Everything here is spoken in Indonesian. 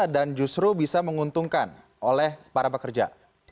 dan justru bisa menguntungkan oleh para pekerja